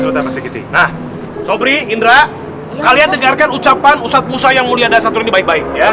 sebentar sedikit nah sobri indra kalian dengarkan ucapan ustadz musa yang mulia dan santri baik baik